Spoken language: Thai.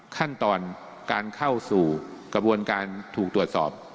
ขั้นตอนการเข้าสู่กระบวนการถูกตรวจสอบ